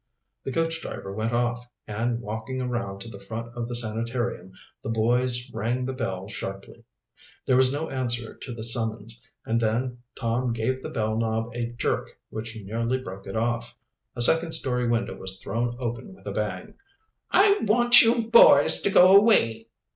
The coach driver went off, and walking around to the front of the sanitarium the boys rang the bell sharply. There was no answer to the summons, and then Tom gave the bell knob a jerk which nearly broke it off. A second story window was thrown open with a bang. "I want you boys to go away!"